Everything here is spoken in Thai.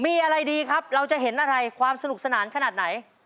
มีอะไรดีครับเราจะเห็นอะไรความสนุกสนานขนาดไหน